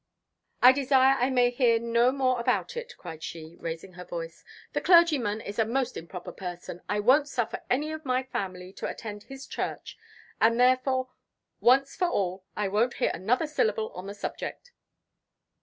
"I desire I may hear no more about it!" cried she, raising her voice. "The clergyman is a most improper person. I won't suffer any of my family to attend his church; and therefore, once for all, I won't hear another syllable on the subject."